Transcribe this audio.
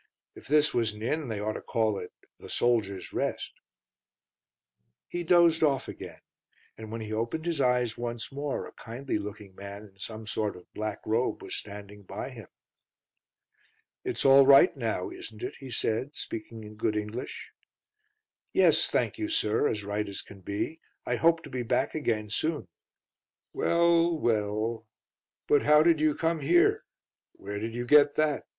If this was an inn they ought to call it The Soldiers' Rest." He dozed off again, and when he opened his eyes once more a kindly looking man in some sort of black robe was standing by him. "It's all right now, isn't it?" he said, speaking in good English. "Yes, thank you, sir, as right as can be. I hope to be back again soon." "Well well; but how did you come here? Where did you get that?"